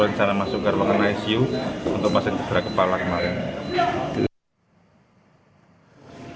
untuk masih dibera kepala kemarin